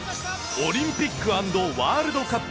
オリンピック＆ワールドカップ。